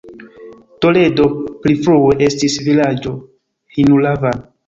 Toledo pli frue estis vilaĝo Hinulavan.